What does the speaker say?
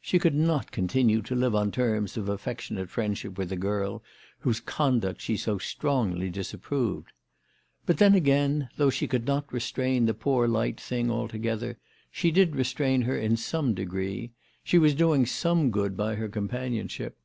She could not continue to live on terms of affectionate friendship with a girl whose conduct she so strongly disapproved. But then again, though she could not restrain the poor light thing altogether, she did restrain her in some degree. She was doing some good by her companionship.